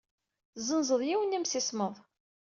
Tessenzed yiwen n yemsismeḍ.